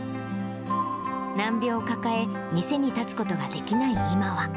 難病を抱え、店に立つことができない今は。